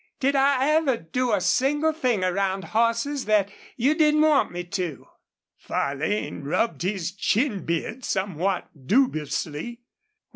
"Did I ever do a single thing around horses that you didn't want me to?" Farlane rubbed his chin beard somewhat dubiously.